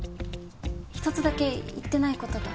一つだけ言ってない事が。